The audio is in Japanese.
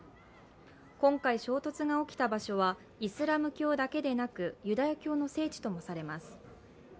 今回衝突が起きた場所はイスラム教だけでなくユダヤ教の聖地ともされます。